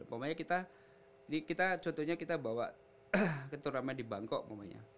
makanya kita ini kita contohnya kita bawa keturunan ramai di bangkok makanya